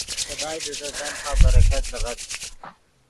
خدائے دے تے تنخواہ برکت لیغد۔